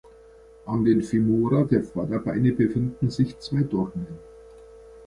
An den Femora der Vorderbeine befinden sich zwei Dornen.